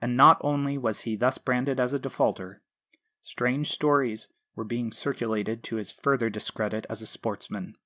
And not only was he thus branded as a defaulter. Strange stories were being circulated to his further discredit as a sportsman.